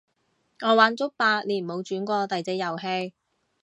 我玩足八年冇轉過第隻遊戲